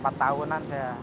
sekitar empat tahunan saya